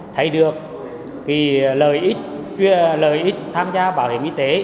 thấy được lợi ích tham gia bảo hiểm y tế